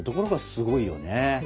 すごいよね。